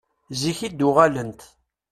Zik i d-uɣalent.